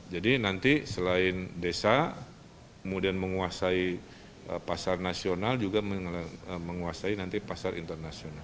jadi nanti selain desa kemudian menguasai pasar nasional juga menguasai nanti pasar internasional